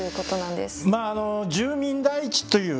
まあ住民第一という。